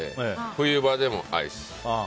冬場でもアイス。